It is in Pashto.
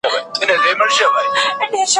ایمي د خپلو کارونو لپاره تمرکز نه درلود.